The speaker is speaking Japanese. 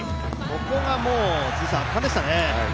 ここが圧巻でしたね。